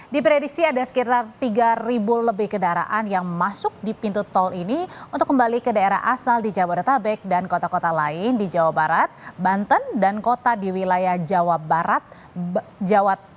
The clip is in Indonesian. diprediksi ada sekitar tiga lebih kendaraan yang masuk di pintu tol ini untuk kembali ke daerah asal di jabodetabek dan kota kota lain di jawa barat banten dan kota di wilayah jawa barat